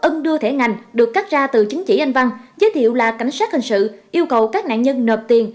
nghệ ngành được cắt ra từ chứng chỉ anh văn giới thiệu là cảnh sát hình sự yêu cầu các nạn nhân nợp tiền